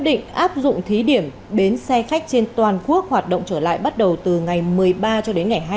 định áp dụng thí điểm bến xe khách trên toàn quốc hoạt động trở lại bắt đầu từ ngày một mươi ba cho đến ngày hai mươi